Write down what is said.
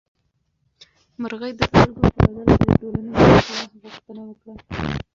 مرغۍ د سترګې په بدل کې د ټولنې د اصلاح غوښتنه وکړه.